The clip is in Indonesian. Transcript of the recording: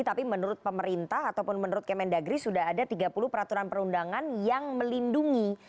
tapi menurut pemerintah ataupun menurut kemendagri sudah ada tiga puluh peraturan perundangan yang melindungi